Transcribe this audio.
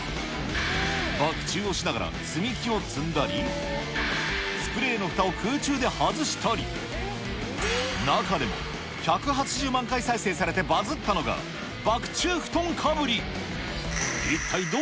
バク宙をしながら積み木を積んだり、スプレーのふたを空中で外したり、中でも１８０万回再生されてバズったのが、バク宙布団被り。